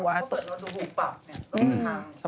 ก็เปิดรถลูกบุกปรับ